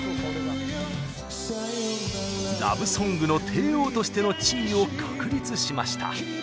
ラブソングの帝王としての地位を確立しました。